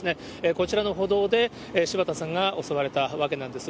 こちらの歩道で、柴田さんが襲われたわけなんです。